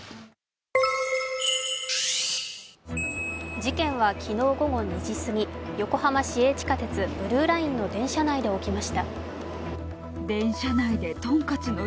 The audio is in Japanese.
事件は昨日午後２時過ぎ、横浜市営地下鉄ブルーラインの電車内で起きました。